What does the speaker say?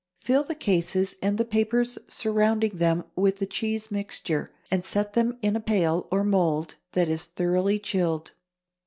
Fill the cases and the papers surrounding them with the cheese mixture, and set them in a pail or mould that is thoroughly chilled.